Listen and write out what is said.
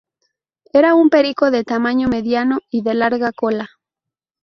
Era un perico de tamaño mediano y de larga cola.